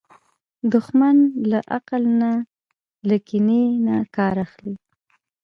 دښمن له عقل نه، له کینې نه کار اخلي